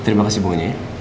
terima kasih bunganya